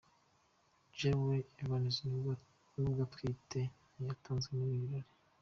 Jenelle Evans nubwo atwite ntiyatanzwe muri ibi birori.